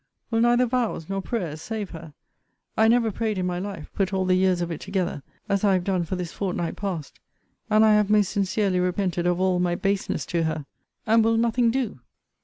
Will neither vows nor prayers save her? I never prayed in my life, put all the years of it together, as I have done for this fortnight past: and I have most sincerely repented of all my baseness to her And will nothing do?